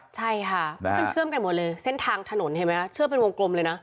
ใช่ค่ะมันเชื่อมกันหมดเลยเส้นทางถนนเห็นไหมคะเชื่อมเป็นวงกลมเลยนะ